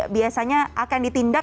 biasanya akan ditindak